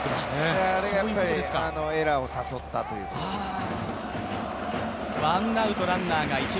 あれがエラーを誘ったということですね。